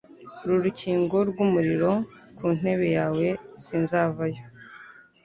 uru rukingo rwumuriro kuntebe yawe sinzavayo